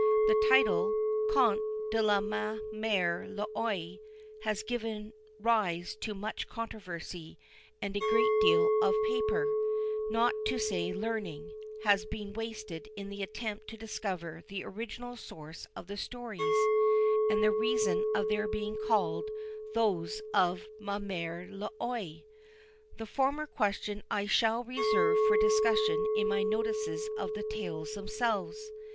The title, Contes de ma Mère l'Oye, has given rise to much controversy, and a great deal of paper, not to say learning, has been wasted in the attempt to discover the original source of the stories, and the reason of their being called those of "Ma Mère l'Oye." The former question I shall reserve for discussion in my notices of the tales themselves.